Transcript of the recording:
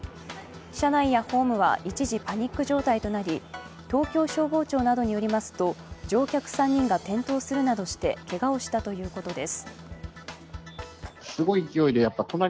車内やホームは一時、パニック状態となり東京消防庁などによりますと乗客３人が転倒するなどしてけがをしたということです。